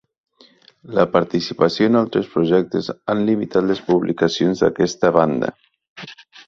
La participació en altres projectes han limitat les publicacions d'aquesta banda.